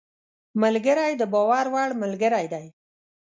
ملګری د باور وړ ملګری دی